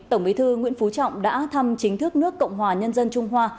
tổng bí thư nguyễn phú trọng đã thăm chính thức nước cộng hòa nhân dân trung hoa